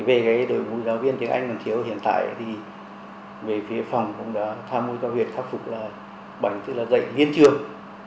về đối mũi giáo viên tiếng anh còn thiếu hiện tại thì về phía phòng cũng đã tham mũi các huyện khắc phục là bảnh tức là dạy viên trường